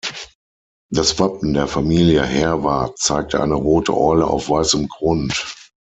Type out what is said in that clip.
Das Wappen der Familie Herwart zeigte eine rote Eule auf weißem Grund.